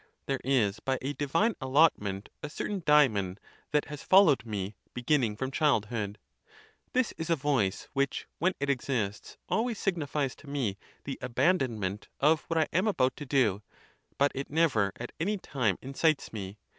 There is, by a divine allotment, a certain demon that has followed me, be ginning from childhood. 'This is a voice, which, when it ex ists, always signifies to me the abandonment of what I am about to do; but it never at any time incites me.